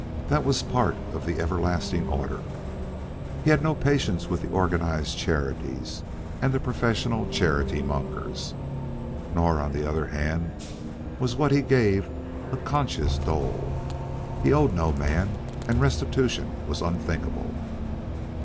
That was part of the everlasting order. He had no patience with the organized charities and the professional charity mongers. Nor, on the other hand, was what he gave a conscience dole. He owed no man, and restitution was unthinkable.